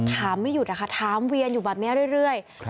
ไม่หยุดนะคะถามเวียนอยู่แบบนี้เรื่อย